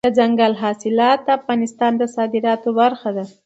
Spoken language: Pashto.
دځنګل حاصلات د افغانستان د صادراتو برخه ده.